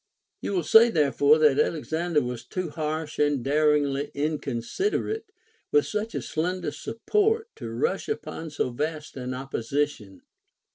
4. You will say therefore that Alexander Avas too rash and daringly mconsiderate, Avith such a slender support to rush upon so vast an opposition.